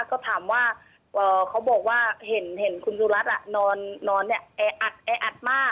ก็ถามว่าเขาบอกว่าเห็นคุณสุรัตน์นอนเนี่ยแออัดแออัดมาก